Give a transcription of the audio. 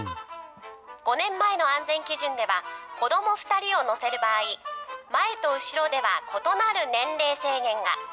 ５年前の安全基準では、子ども２人を乗せる場合、前と後ろでは異なる年齢制限が。